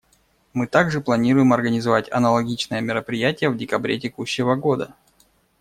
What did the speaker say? Мы также планируем организовать аналогичное мероприятие в декабре текущего года.